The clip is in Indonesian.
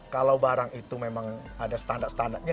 kalau barang itu memang ada standar standarnya